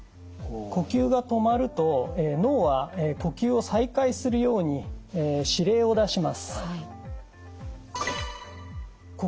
呼吸が止まると脳は呼吸を再開するように指令を出します。